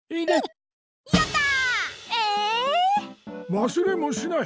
わすれもしない。